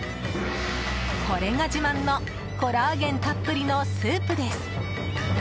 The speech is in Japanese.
これが自慢のコラーゲンたっぷりのスープです。